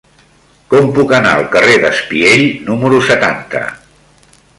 Com puc anar al carrer d'Espiell número setanta?